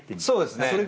そうですね